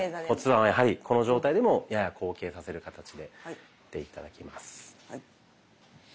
骨盤はやはりこの状態でもやや後傾させる形でやって頂きます。